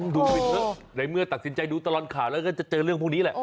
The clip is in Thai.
ดูไปเถอะในเมื่อตัดสินใจดูตลอดข่าวแล้วก็จะเจอเรื่องพวกนี้แหละ